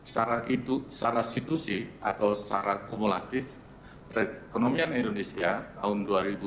secara situsi atau secara kumulatif perekonomian indonesia tahun dua ribu dua puluh dua